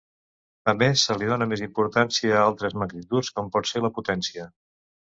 A més, se li dóna més importància a altres magnituds com pot ser la Potència.